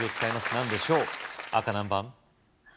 何でしょう赤何番？